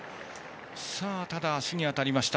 ただ、足に当たりました。